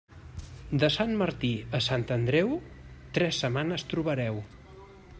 De Sant Martí a Sant Andreu, tres setmanes trobareu.